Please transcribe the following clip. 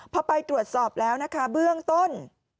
พอไปตรวจสอบแล้วนะคะเบื้องต้น